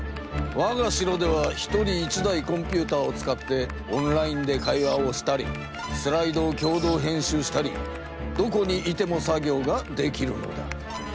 わがしろでは１人１台コンピューターを使ってオンラインで会話をしたりスライドをきょう同へん集したりどこにいても作業ができるのだ。